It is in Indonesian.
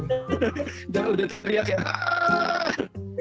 udah udah teriak ya